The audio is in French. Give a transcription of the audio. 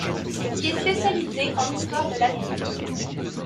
Il est spécialisé en histoire de l'Amérique.